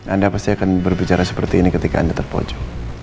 anda pasti akan berbicara seperti ini ketika anda terpojok